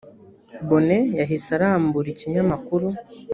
bone yahise arambura ikinyamakuru